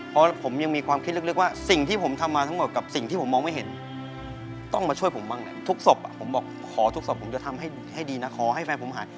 เพราะผมยังมีความคิดลึกว่าสิ่งที่ผมทำมาทั้งหมดกับสิ่งที่ผมมองไม่เห็นต้องมาช่วยผมบ้างแหละทุกศพผมบอกขอทุกศพผมจะทำให้ดีนะขอให้แฟนผมหาย